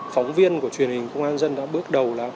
phóng viên của truyền hình công an nhân dân đã bước đầu